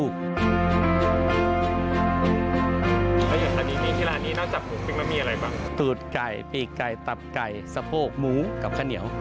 ไก่ตับไก่สโภคหมูกับข้าเนียว